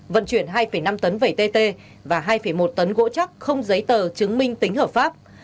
vận chuyển hai năm tấn vẩy tt và hai một tấn gỗ chắc không giấy tờ chứng minh tính hợp pháp